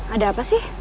ada apa sih